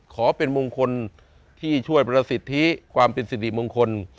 ขอเป็นมงคลที่ช่วยประสิทธิความเป็นสิริมงคล